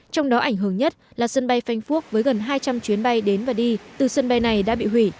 trong đó ảnh hưởng nhất là sân bay phanh phuốc với gần hai trăm linh chuyến bay đến và đi từ sân bay này đã bị hủy